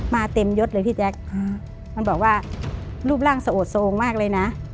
เต็มยดเลยพี่แจ๊คมันบอกว่ารูปร่างสะโอดโทรงมากเลยนะ